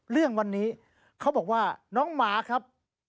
เรื่องวันนี้เขาบอกว่าน้องหมาครับ